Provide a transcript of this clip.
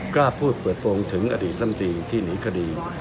กล้าพูดเปิดโปรงถึงอดีตลำตีที่หนีคดี